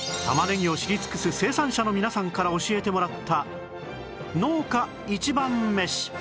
玉ねぎを知り尽くす生産者の皆さんから教えてもらった農家一番メシ